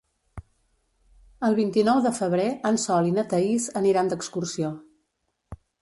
El vint-i-nou de febrer en Sol i na Thaís aniran d'excursió.